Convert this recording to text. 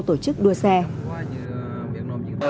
tổ chức đua xe